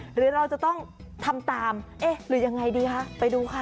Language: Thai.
หรือเราจะต้องทำตามเอ๊ะหรือยังไงดีคะไปดูค่ะ